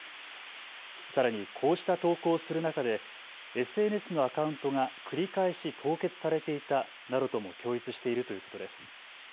さらにこうした投稿をする中でＳＮＳのアカウントが繰り返し凍結されていたなどとも供述しているということです。